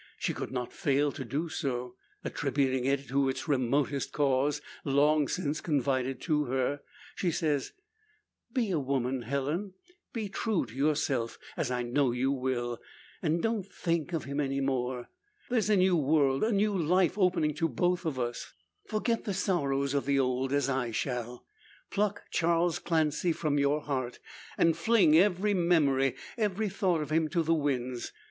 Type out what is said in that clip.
She could not fail to do so. Attributing it to its remotest cause, long since confided to her, she says: "Be a woman, Helen! Be true to yourself, as I know you will; and don't think of him any more. There's a new world, a new life, opening to both of us. Forget the sorrows of the old, as I shall. Pluck Charles Clancy from your heart, and fling every memory, every thought of him, to the winds!